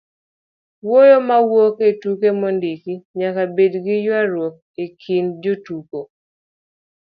wuoyo mawuok e tuke mondiki nyaka bed gi ywaruok e kind jotuko